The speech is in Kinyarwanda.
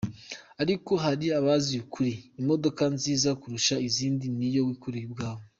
Ariko hari abazi ukuri… imodoka nziza kurusha izindi ni iyo wikoreye ubwawe,”.